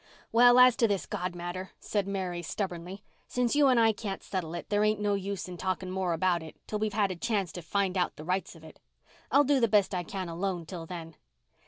"Well, as to this God matter," said Mary stubbornly, "since you and I can't settle it, there ain't no use in talking more about it until we've a chanct to find out the rights of it. I'll do the best I can alone till then."